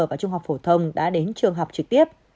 và trung học phổ thông đã đến trường học trực tiếp